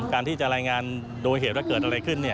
การที่จะรายงานโดยเหตุว่าเกิดอะไรขึ้น